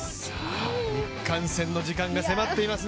日韓戦の時間が迫っていますね。